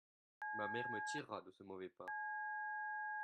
ma mère me tira de ce mauvais pas.